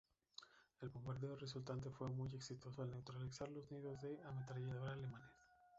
El bombardeo resultante fue muy exitoso al neutralizar los nidos de ametralladora alemanes.